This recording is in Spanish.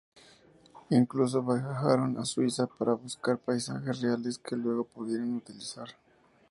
Incluso viajaron a Suiza para buscar paisajes reales que luego pudieran utilizar.